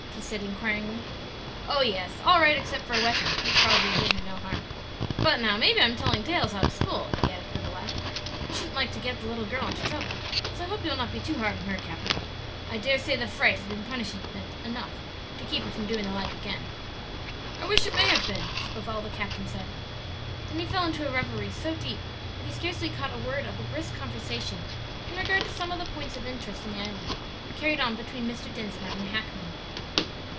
he said, inquiringly. "Oh, yes; all right except for a wetting, which probably did her no harm. But now maybe I'm telling tales out of school," he added, with a laugh. "I shouldn't like to get the little girl into trouble, so I hope you'll not be too hard on her, capt'n. I dare say the fright has been punishment enough to keep her from doing the like again." "I wish it may have been," was all the captain said. Then he fell into a revery so deep that he scarcely caught a word of a brisk conversation, in regard to some of the points of interest on the island, carried on between Mr. Dinsmore and the hackman.